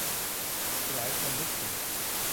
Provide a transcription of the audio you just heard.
ที่หลายคนนึกถึง